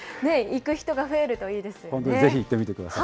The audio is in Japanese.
行く人が増えるといいですね。